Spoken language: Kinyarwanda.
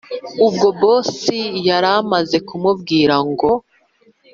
ubwo boss yaramaze kumubwira ngo